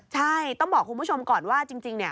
ใช่ต้องบอกคุณผู้ชมก่อนว่าจริงเนี่ย